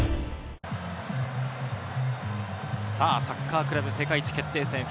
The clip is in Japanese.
サッカークラブ世界一決定戦。